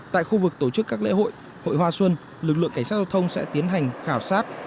tại khu vực tổ chức các lễ hội hội hoa xuân lực lượng cảnh sát giao thông sẽ tiến hành khảo sát